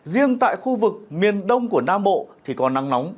riêng tại khu vực miền đông của nam bộ thì có nắng nóng